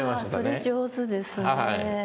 それ上手ですね。